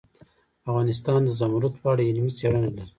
افغانستان د زمرد په اړه علمي څېړنې لري.